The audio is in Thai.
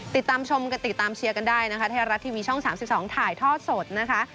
ติดตามชมกันติดตามเชียร์กันได้นะคะไทยรัฐทีวีช่อง๓๒ถ่ายทอดสดนะคะ